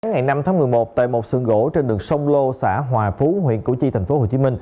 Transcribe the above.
ngày năm tháng một mươi một tại một sườn gỗ trên đường sông lô xã hòa phú huyện củ chi tp hcm